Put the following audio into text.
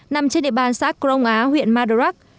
nằm trên địa bàn xã crong á huyện mờ đắc